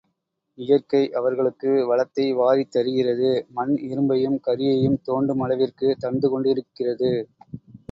இயற்கை அவர்களுக்கு வளத்தை வாரித் தருகிறது, மண் இரும்பையும் கரியையும் தோண்டும் அளவிற்குத் தந்துகொண்டிருக்கிறது.